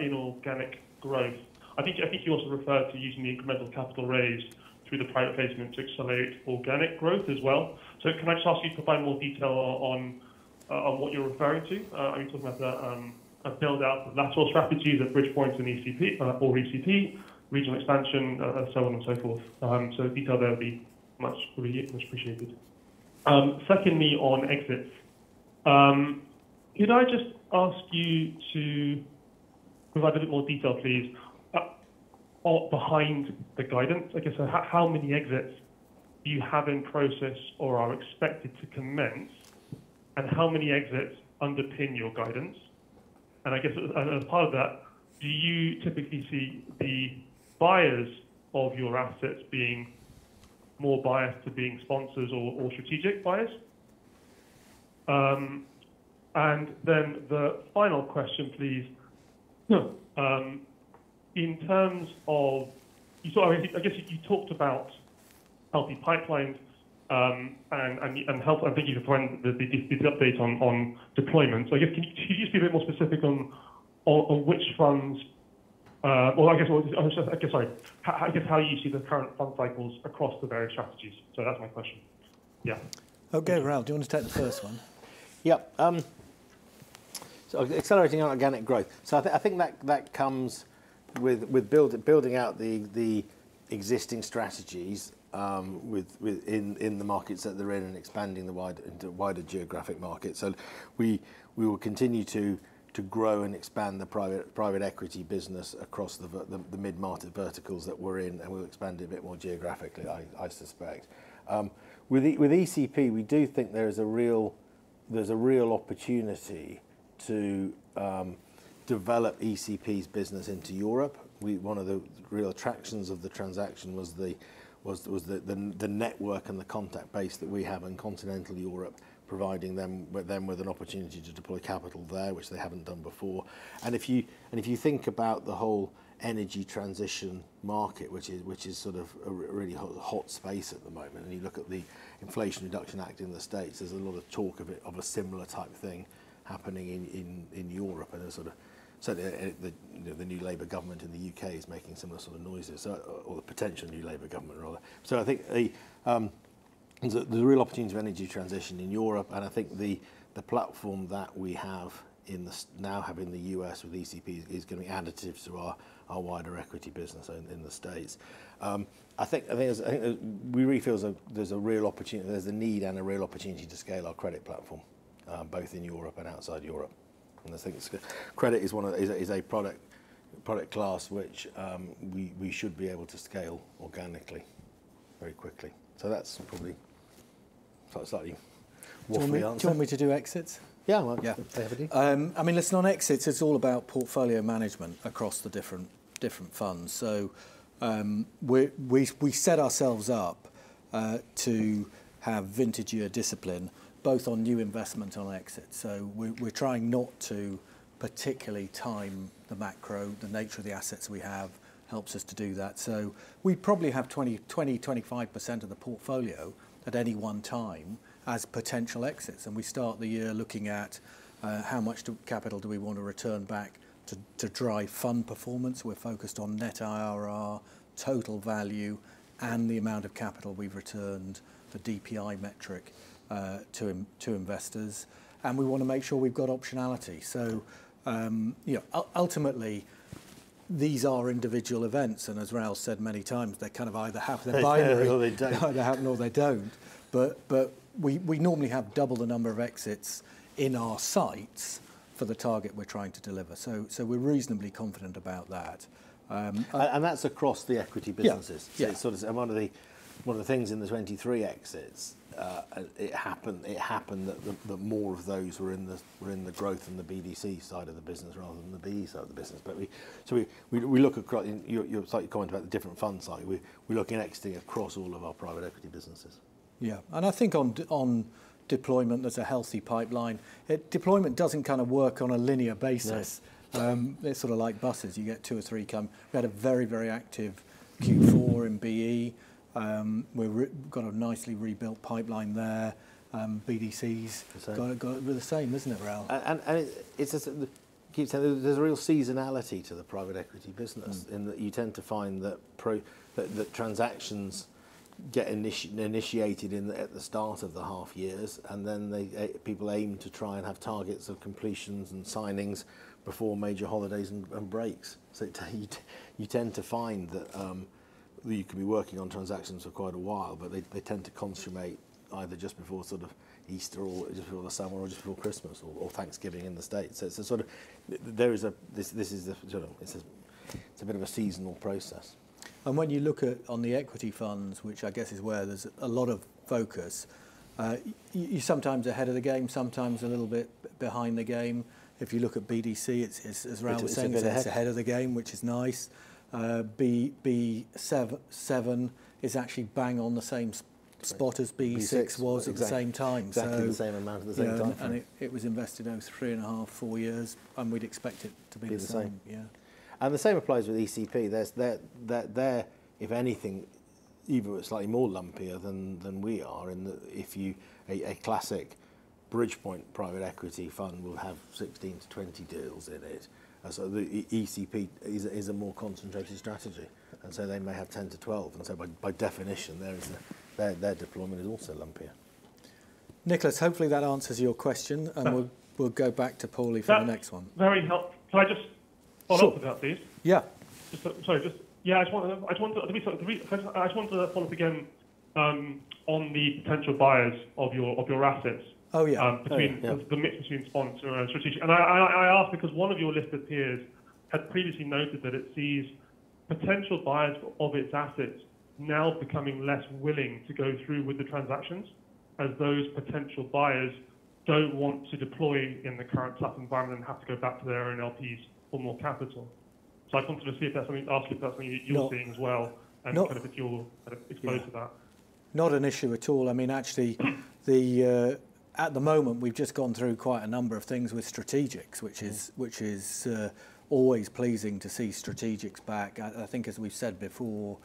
inorganic growth, I think you also referred to using the incremental capital raise through the private placement to accelerate organic growth as well. So can I just ask you to provide more detail on what you're referring to? Are you talking about the a build out lateral strategies at Bridgepoint and ECP, or ECP, regional expansion, and so on and so forth? So detail there would be much appreciated, much appreciated. Secondly, on exits, could I just ask you to provide a bit more detail, please, on behind the guidance? I guess, so how many exits do you have in process or are expected to commence, and how many exits underpin your guidance? And I guess, as part of that, do you typically see the buyers of your assets being more biased to being sponsors or strategic buyers? And then the final question, please. In terms of... So I guess, you talked about healthy pipelines and health. I think you can find the update on deployment. So I guess, can you just be a bit more specific on which funds... Well, I guess, I'm sorry. I guess how you see the current fund cycles across the various strategies. So that's my question. Yeah. Okay, Raoul, do you want to take the first one? Yeah, so accelerating our organic growth. So I think that comes with building out the existing strategies within the markets that they're in and expanding into wider geographic markets. So we will continue to grow and expand the private equity business across the mid-market verticals that we're in, and we'll expand a bit more geographically, I suspect. With ECP, we do think there is a real opportunity to develop ECP's business into Europe. One of the real attractions of the transaction was the network and the contact base that we have in continental Europe, providing them with an opportunity to deploy capital there, which they haven't done before. And if you think about the whole energy transition market, which is sort of a really hot space at the moment, and you look at the Inflation Reduction Act in the States, there's a lot of talk of a similar type of thing happening in Europe. Sort of, the new Labour government in the U.K. is making similar sort of noises, or the potential new Labour government, rather. So I think there's a real opportunity for energy transition in Europe, and I think the platform that we now have in the U.S. with ECP is going to be additive to our wider equity business in the States. I think there's... We really feel there's a, there's a real opportunity, there's a need and a real opportunity to scale our credit platform, both in Europe and outside Europe. And I think credit is one of the... is a, is a product, product class, which, we, we should be able to scale organically very quickly. So that's probably sort of slightly waffly answer. Do you want me to do exits? Yeah, well, yeah. Have it. I mean, listen, on exits, it's all about portfolio management across the different funds. So we set ourselves up to have vintage year discipline, both on new investment and on exits. So we're trying not to particularly time the macro. The nature of the assets we have helps us to do that. So we probably have 20%, 25% of the portfolio at any one time as potential exits, and we start the year looking at how much capital do we want to return back to drive fund performance. We're focused on net IRR, total value, and the amount of capital we've returned, the DPI metric, to investors, and we want to make sure we've got optionality. So, you know, ultimately, these are individual events, and as Raoul said many times, they kind of either happen- They either do or they don't. They either happen or they don't. But we normally have double the number of exits in our sights for the target we're trying to deliver. So we're reasonably confident about that. And that's across the equity businesses. Yeah, yeah. So sort of, and one of the things in the 23 exits, it happened that the more of those were in the growth and the BDC side of the business rather than the BE side of the business. But we, so we look across... And you slightly commented about the different fund side. We're looking at exiting across all of our private equity businesses. Yeah, and I think on deployment, there's a healthy pipeline. Deployment doesn't kind of work on a linear basis. Yeah. It's sort of like buses. You get two or three come. We had a very, very active Q4 in BE. We've got a nicely rebuilt pipeline there. BDCs- The same.... got the same, isn't it, Raoul? There's a real seasonality to the private equity business- Mm.... in that you tend to find that transactions get initiated at the start of the half years, and then they, people aim to try and have targets of completions and signings before major holidays and breaks. So you tend to find that you could be working on transactions for quite a while, but they tend to consummate either just before sort of Easter or just before the summer or just before Christmas or Thanksgiving in the States. So it's a sort of seasonal process. When you look at, on the equity funds, which I guess is where there's a lot of focus, you, you're sometimes ahead of the game, sometimes a little bit behind the game. If you look at BDC, it's, as Raoul said- It's ahead.... it's ahead of the game, which is nice. BE VII is actually bang on the same spot as BE VI was at the same time. Exactly the same amount at the same time. Yeah, and it was invested over 3.5-4 years, and we'd expect it to be the same. Be the same. Yeah. And the same applies with ECP. Their—if anything, even slightly more lumpier than we are. A classic Bridgepoint private equity fund will have 16-20 deals in it. And so the ECP is a more concentrated strategy, and so they may have 10-12, and so by definition, their deployment is also lumpier. Nicholas, hopefully that answers your question, and we'll- Yeah. We'll go back to Paulie for the next one. Can I just follow up with that, please? Yeah. Sorry, yeah, I just wanted to follow up again on the potential buyers of your assets. Oh, yeah. Um, between- Yeah.... the mix between sponsor and strategic. And I ask because one of your listed peers had previously noted that it sees potential buyers of its assets now becoming less willing to go through with the transactions, as those potential buyers don't want to deploy in the current tough environment and have to go back to their own LPs for more capital. So I wanted to see if there's something, ask if that's something you're seeing as well? No. And kind of if you're exposed to that? Not an issue at all. I mean, actually, at the moment, we've just gone through quite a number of things with strategics, which is always pleasing to see strategics back. I think as we've said before,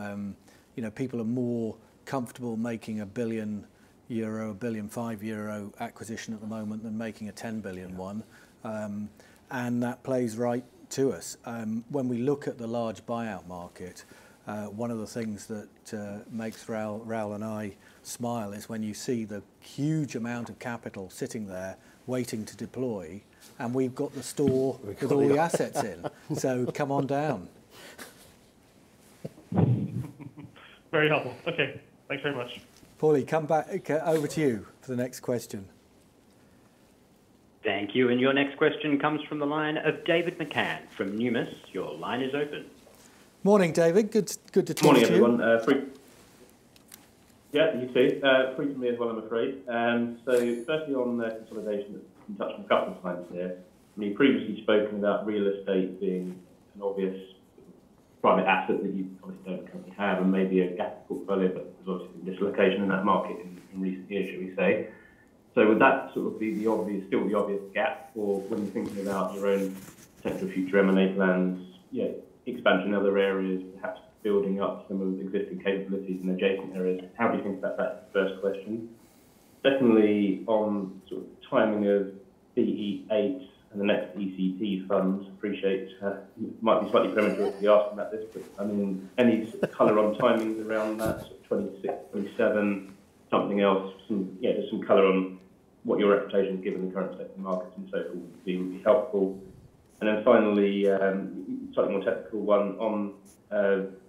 you know, people are more comfortable making a 1 billion euro, 1.5 billion acquisition at the moment than making a 10 billion one. And that plays right to us. When we look at the large buyout market, one of the things that makes Raoul and I smile is when you see the huge amount of capital sitting there waiting to deploy, and we've got the store with all the assets in. So come on down. Very helpful. Okay, thanks very much. Paulie, come back. Okay, over to you for the next question. Thank you. And your next question comes from the line of David McCann from Numis. Your line is open. Morning, David. Good to see you too. Morning, everyone. Yeah, you too. Frequently as well, I'm afraid. So firstly, on the consolidation, in touch with a couple of times here. You previously spoken about real estate being an obvious private asset that you obviously don't currently have and maybe a gap portfolio, but there's obviously been dislocation in that market in recent years, should we say. So would that sort of be the obvious, still the obvious gap for when you're thinking about your own potential future M&A plans, yeah, expansion in other areas, perhaps building up some of the existing capabilities in adjacent areas? How do you think about that first question? Secondly, on sort of timing of BE VIII and the next ECP funds, I appreciate, might be slightly premature to be asking about this, but, I mean, any color on timings around that sort of 2026, 2027, something else, some, yeah, just some color on what your expectations, given the current state of the market in total would be, would be helpful. And then finally, slightly more technical one on,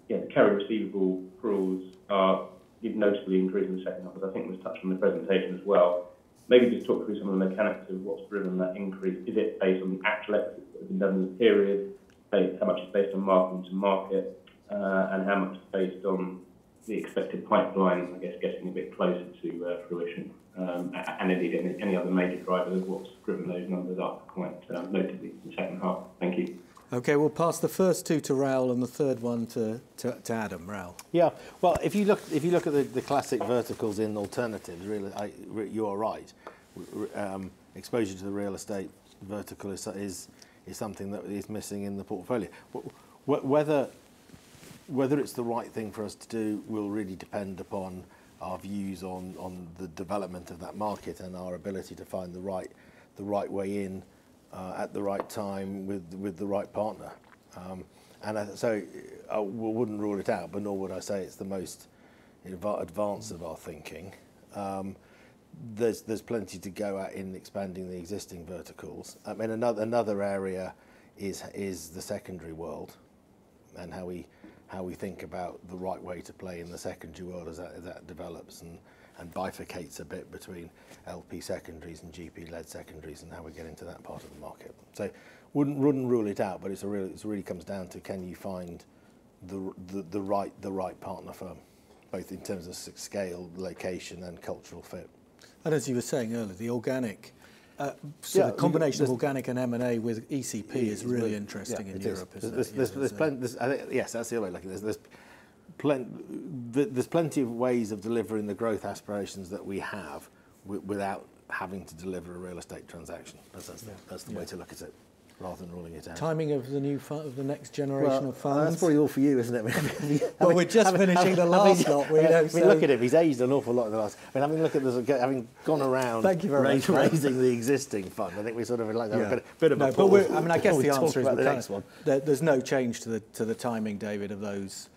yeah, the carry receivable accruals are noticeably increased in the second half, I think was touched on the presentation as well. Maybe just talk through some of the mechanics of what's driven that increase. Is it based on the activity level of the period, based, how much is based on marking to market, and how much is based on the expected pipeline, I guess, getting a bit closer to fruition? And indeed, any other major drivers of what's driven those numbers up quite notably in the second half. Thank you. Okay, we'll pass the first two to Raoul and the third one to Adam. Raoul. Yeah. Well, if you look at the classic verticals in alternatives, real estate—you are right. Exposure to the real estate vertical is something that is missing in the portfolio. Whether it's the right thing for us to do will really depend upon our views on the development of that market and our ability to find the right way in at the right time with the right partner. So I wouldn't rule it out, but nor would I say it's the most advanced of our thinking. There's plenty to go at in expanding the existing verticals. And another area is the secondary world and how we think about the right way to play in the secondary world as that develops and bifurcates a bit between LP secondaries and GP-led secondaries and how we get into that part of the market. So, wouldn't rule it out, but it really comes down to can you find the right partner firm, both in terms of scale, location, and cultural fit. As you were saying earlier, the organic- Yeah.... so the combination of organic and M&A with ECP is really interesting in Europe. Yeah, it is. There's plenty... I think, yes, that's the other way to look at it. There's plenty of ways of delivering the growth aspirations that we have without having to deliver a real estate transaction. Yeah. That's the way to look at it, rather than ruling it out. Timing of the next generation of funds. Well, that's probably all for you, isn't it? Well, we're just finishing the last lot. We know, so- I mean, look at him. He's aged an awful lot in the last... I mean, having a look at this, having gone around- Thank you very much.... raising the existing fund, I think we sort of would like to have a bit of a pause- No, but we, I mean, I guess the answer is the next one. There's no change to the timing, David, of those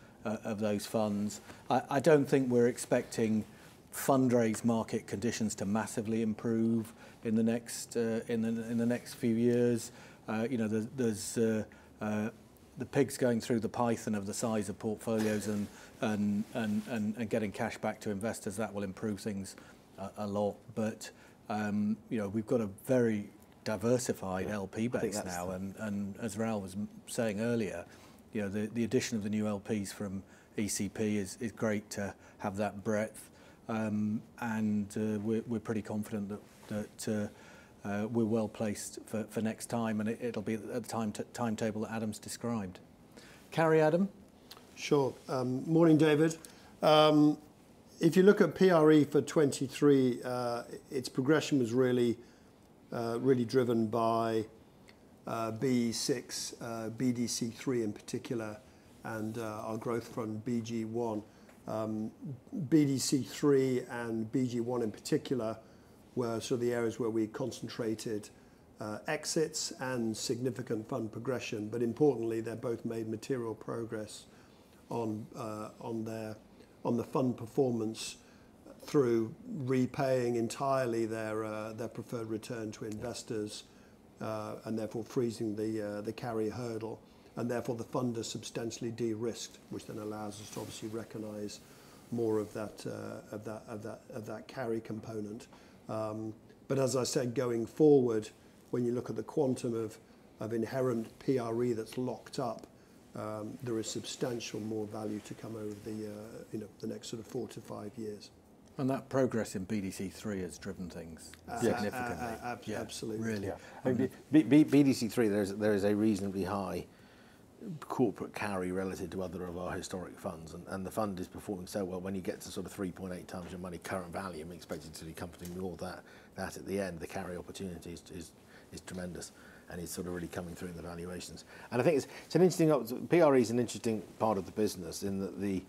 funds. I don't think we're expecting fundraise market conditions to massively improve in the next few years. You know, there's the pigs going through the python of the size of portfolios and getting cash back to investors, that will improve things a lot. But you know, we've got a very diversified LP base now. I think that's- And as Raoul was saying earlier, you know, the addition of the new LPs from ECP is great to have that breadth. And we're pretty confident that that we're well-placed for next time, and it'll be at the timetable that Adam's described. Carry, Adam? Sure. Morning, David. If you look at PRE for 2023, its progression was really, really driven by BE VI, BDC III in particular, and our growth from BG I. BDC III and BG I, in particular, were sort of the areas where we concentrated exits and significant fund progression. But importantly, they're both made material progress on their fund performance through repaying entirely their preferred return to investors, and therefore freezing the carry hurdle, and therefore, the fund is substantially de-risked, which then allows us to obviously recognize more of that carry component. But as I said, going forward, when you look at the quantum of inherent PRE that's locked up, there is substantial more value to come over the, you know, the next sort of four to five years. That progress in BDC III has driven things- Yeah. -significantly. Absolutely. Really. Yeah. BDC III, there is a reasonably high corporate carry relative to other of our historic funds, and the fund is performing so well. When you get to sort of 3.8x your money, current value, and we expect it to be accompanying all that at the end, the carry opportunity is tremendous, and it's sort of really coming through in the valuations. And I think it's an interesting... PRE is an interesting part of the business in that the,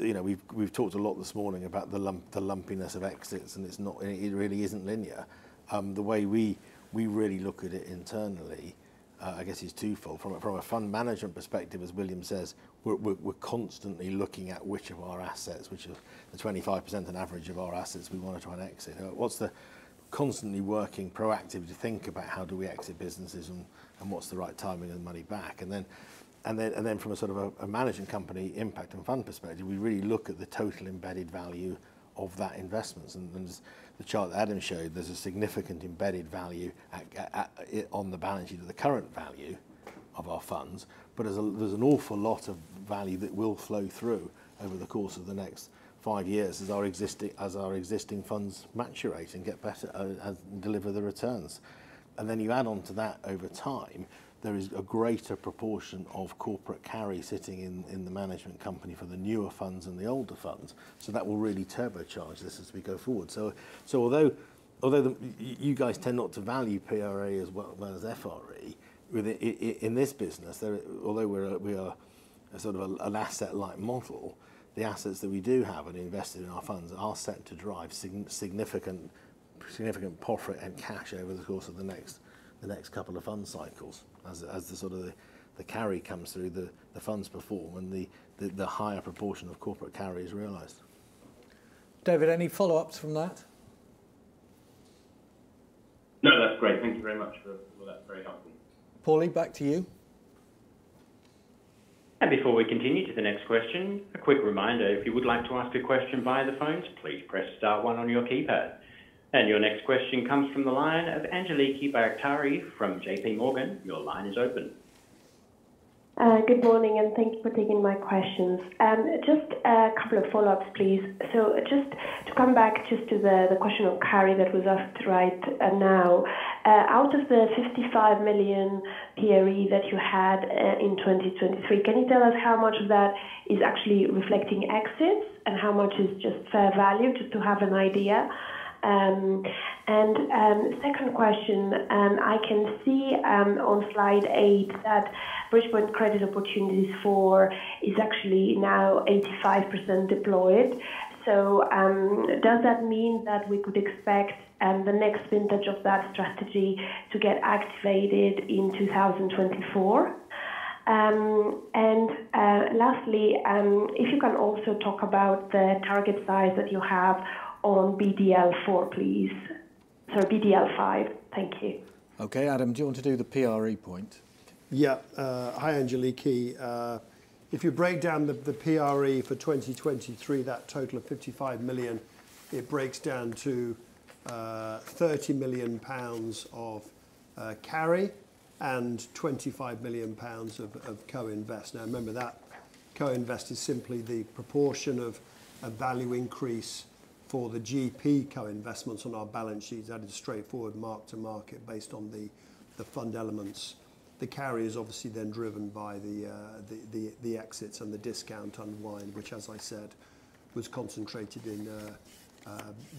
you know, we've talked a lot this morning about the lumpiness of exits, and it's really not linear. The way we really look at it internally, I guess, is twofold. From a fund management perspective, as William says, we're constantly looking at which of our assets, which of the 25% on average of our assets we want to try and exit. What's the constantly working proactively to think about how do we exit businesses and what's the right timing and money back? And then from a sort of a management company impact and fund perspective, we really look at the total embedded value of that investment. And then, the chart that Adam showed, there's a significant embedded value at on the balance sheet of the current value of our funds. But there's an awful lot of value that will flow through over the course of the next five years as our existing funds mature and get better and deliver the returns. Then you add on to that over time, there is a greater proportion of corporate carry sitting in the management company for the newer funds and the older funds. So that will really turbocharge this as we go forward. So although the you guys tend not to value PRE as well as FRE, with in this business, although we are a sort of an asset-light model, the assets that we do have and invested in our funds are set to drive significant profit and cash over the course of the next couple of fund cycles. As the carry comes through, the funds perform, and the higher proportion of corporate carry is realized. David, any follow-ups from that? No, that's great. Thank you very much for all that. Very helpful. Paulie, back to you. Before we continue to the next question, a quick reminder. If you would like to ask a question via the phone, please press star one on your keypad. Your next question comes from the line of Angeliki Bairaktari from JPMorgan. Your line is open. Good morning, and thank you for taking my questions. Just a couple of follow-ups, please. Just to come back to the question of carry that was asked right now. Out of the 55 million PRE that you had in 2023, can you tell us how much of that is actually reflecting exits and how much is just value, just to have an idea? And second question, I can see on slide eight that Bridgepoint Credit Opportunities IV is actually now 85% deployed. So does that mean that we could expect the next vintage of that strategy to get activated in 2024? And lastly, if you can also talk about the target size that you have on BDL IV, please. Sorry, BDL V. Thank you. Okay, Adam, do you want to do the PRE point? Yeah. Hi, Angeliki. If you break down the PRE for 2023, that total of 55 million, it breaks down to 30 million pounds of carry and 25 million pounds of co-invest. Now, remember that co-invest is simply the proportion of a value increase for the GP co-investments on our balance sheet, added straightforward mark to market based on the fund elements. The carry is obviously then driven by the exits and the discount unwind, which, as I said, was concentrated in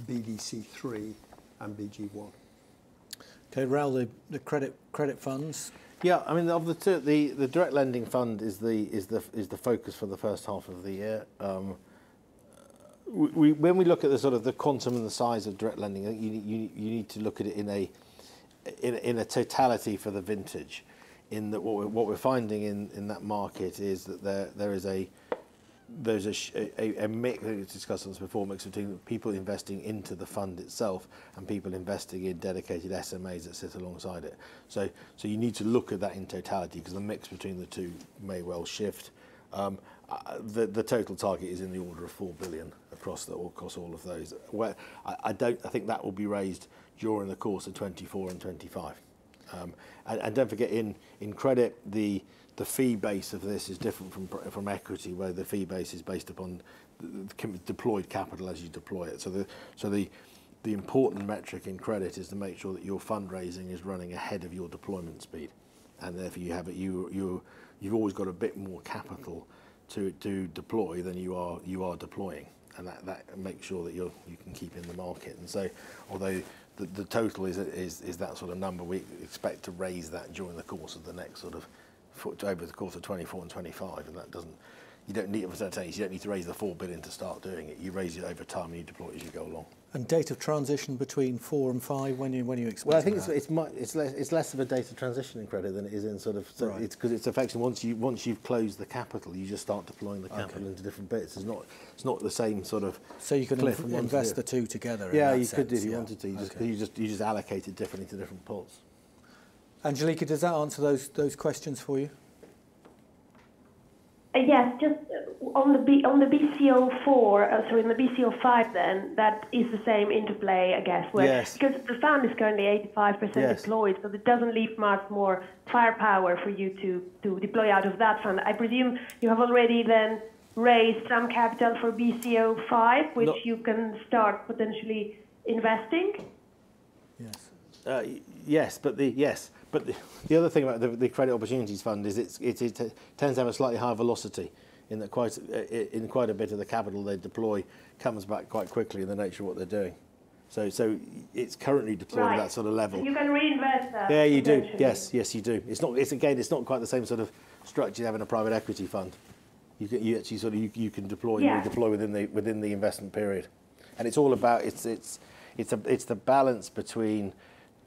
BDC III and BG I. Okay, Raoul, the credit funds. Yeah, I mean, of the two, the direct lending fund is the focus for the first half of the year. When we look at the sort of the quantum and the size of direct lending, you need to look at it in a totality for the vintage. In that, what we're finding in that market is that there is a mix, discussed this before, mix between people investing into the fund itself and people investing in dedicated SMAs that sit alongside it. So you need to look at that in totality, 'cause the mix between the two may well shift. The total target is in the order of 4 billion across all of those. Well, I don't... I think that will be raised during the course of 2024 and 2025. And don't forget, in credit, the fee base of this is different from equity, where the fee base is based upon the deployed capital as you deploy it. So the important metric in credit is to make sure that your fundraising is running ahead of your deployment speed. And therefore, you've always got a bit more capital to deploy than you are deploying, and that makes sure that you can keep in the market. And so although the total is that sort of number, we expect to raise that over the course of 2024 and 2025, and that doesn't, you don't need it for certainties. You don't need to raise the $4 billion to start doing it. You raise it over time, and you deploy it as you go along. Date of transition between four and five, when are you, when are you expecting that? Well, I think it's less of a date of transition in credit than it is in sort of- Right. 'Cause it's effectively once you, once you've closed the capital, you just start deploying the capital- Okay.... into different bits. It's not, it's not the same sort of- So you can- Cliff, once you- Invest the two together in that sense? Yeah, you could if you wanted to. Okay. You just allocate it differently to different pools. Angeliki, does that answer those questions for you? Yes, just on the BCO IV, sorry, on the BCO V then, that is the same interplay, I guess, where- Yes.... 'cause the fund is currently 85% deployed- Yes.... so it doesn't leave much more firepower for you to deploy out of that fund. I presume you have already then raised some capital for BCO V- No.... which you can start potentially investing? Yes. Yes, but the other thing about the Credit Opportunities Fund is it tends to have a slightly higher velocity in that quite a bit of the capital they deploy comes back quite quickly in the nature of what they're doing. So it's currently deployed- Right.... to that sort of level. And you can reinvest that- Yeah, you do.... potentially? Yes. Yes, you do. It's not, it's again, it's not quite the same sort of structure as having a private equity fund. You actually sort of can deploy- Yes.... you deploy within the investment period. And it's all about the balance between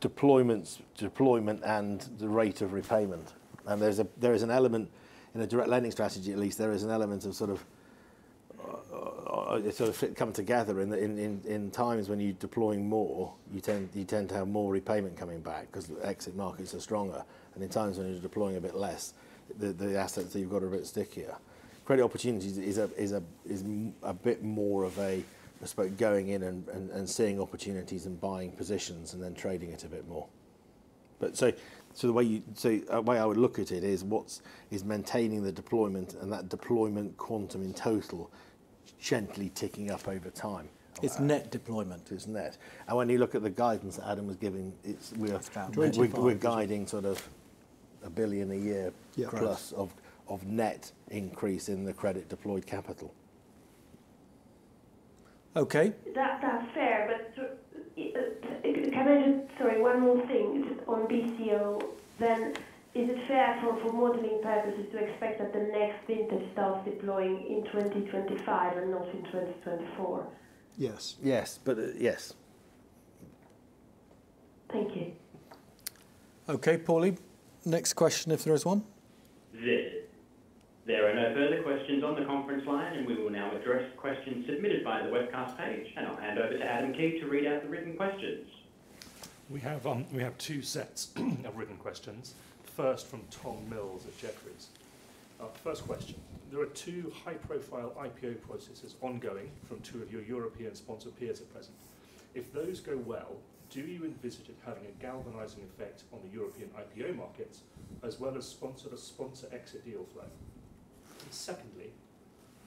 deployments, deployment, and the rate of repayment. And there is an element, in a direct lending strategy at least, there is an element of sort of it sort of come together in the times when you're deploying more, you tend to have more repayment coming back 'cause the exit markets are stronger. And in times when you're deploying a bit less, the assets that you've got are a bit stickier. Credit opportunities is a bit more of a, I suppose, going in and seeing opportunities and buying positions, and then trading it a bit more. But so the way you... The way I would look at it is what is maintaining the deployment, and that deployment quantum in total, gently ticking up over time. It's net deployment. It's net. And when you look at the guidance that Adam was giving, it's, we're- It's about 25.... we're guiding sort of 1 billion a year- Yeah.... plus of net increase in the credit deployed capital. Okay. That, that's fair, but can I just... Sorry, one more thing. On BCO then, is it fair for modeling purposes to expect that the next vintage starts deploying in 2025 and not in 2024? Yes. Yes, but, yes. Thank you. Okay, Paulie, next question, if there is one. There are no further questions on the conference line, and we will now address questions submitted via the webcast page. I'll hand over to Adam Key to read out the written questions. We have, we have two sets of written questions. First, from Tom Mills at Jefferies. First question: There are two high-profile IPO processes ongoing from two of your European sponsor peers at present. If those go well, do you envisage it having a galvanizing effect on the European IPO markets, as well as sponsor-to-sponsor exit deal flow? Secondly,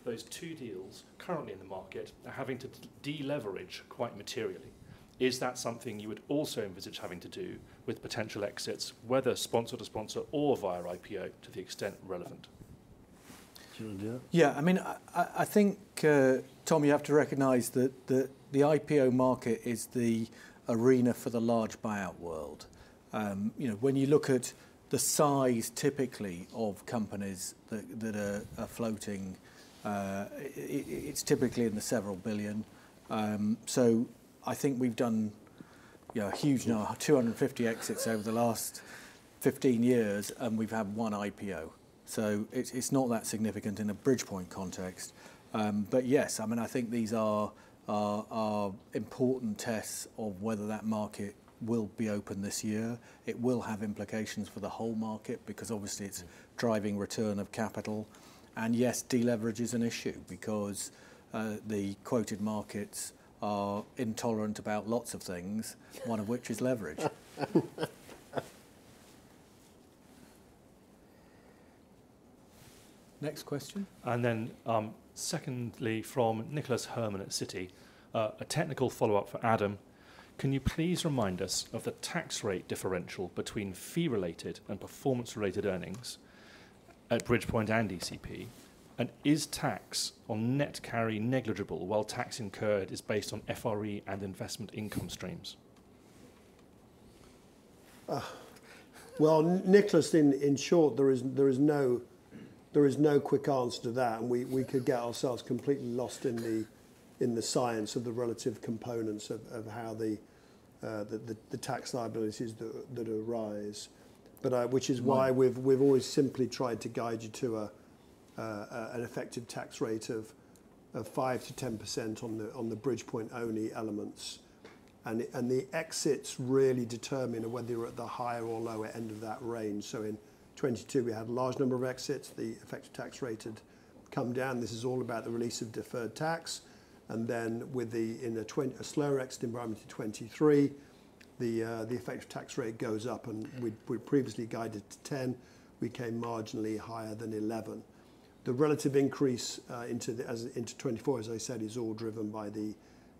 those two deals currently in the market are having to deleverage quite materially. Is that something you would also envisage having to do with potential exits, whether sponsor to sponsor or via IPO, to the extent relevant? Do you want to do it? Yeah, I mean, I think, Tom, you have to recognize that the IPO market is the arena for the large buyout world. You know, when you look at the size typically of companies that are floating, it's typically in the several billion. So I think we've done, you know, a huge number, 250 exits over the last 15 years, and we've had one IPO. So it's not that significant in a Bridgepoint context. But yes, I mean, I think these are important tests of whether that market will be open this year. It will have implications for the whole market because obviously it's driving return of capital. And yes, deleverage is an issue because the quoted markets are intolerant about lots of things, one of which is leverage. Next question. And then, secondly, from Nicholas Herman at Citi. A technical follow-up for Adam: Can you please remind us of the tax rate differential between fee-related and performance-related earnings at Bridgepoint and ECP? And is tax on net carry negligible, while tax incurred is based on FRE and investment income streams? Well, Nicholas, in short, there is no quick answer to that, and we could get ourselves completely lost in the science of the relative components of how the tax liabilities that arise. But which is why we've always simply tried to guide you to an effective tax rate of 5%-10% on the Bridgepoint-only elements. And the exits really determine whether you're at the higher or lower end of that range. So in 2022, we had a large number of exits. The effective tax rate had come down. This is all about the release of deferred tax, and then with a slower exit environment in 2023, the effective tax rate goes up, and we'd, we'd previously guided to 10%. We came marginally higher than 11%. The relative increase into 2024, as I said, is all driven by the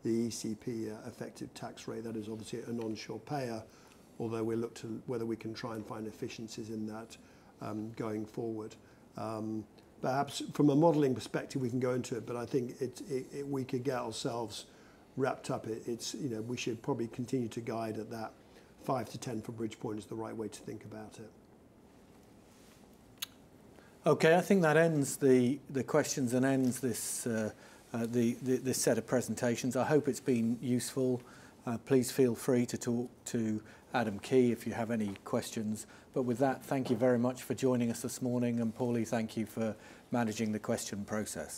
ECP effective tax rate. That is obviously an offshore payer, although we look to whether we can try and find efficiencies in that going forward. Perhaps from a modeling perspective, we can go into it, but I think it, we could get ourselves wrapped up. It's, you know, we should probably continue to guide at that 5%-10% for Bridgepoint is the right way to think about it. Okay, I think that ends the questions and ends this set of presentations. I hope it's been useful. Please feel free to talk to Adam Key if you have any questions. But with that, thank you very much for joining us this morning, and Paulie, thank you for managing the question process.